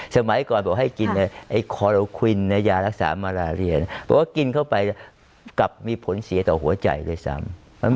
สมัยก่อนบอกให้กินไอ้คอโลควินยารักษามาราเรียนบอกว่ากินเข้าไปกลับมีผลเสียต่อหัวใจด้วยซ้ำ